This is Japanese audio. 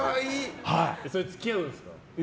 それ、付き合うんですか？